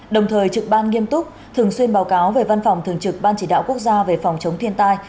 đồng thời trực ban nghiêm túc thường xuyên báo cáo về văn phòng thường trực ban chỉ đạo quốc gia về phòng chống thiên tai